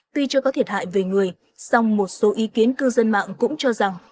tuy chưa có thiệt hại về người song một số ý kiến cư dân mạng cũng cho rằng